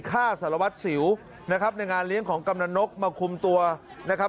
ฆ่าสารวัตรสิวนะครับในงานเลี้ยงของกำลังนกมาคุมตัวนะครับ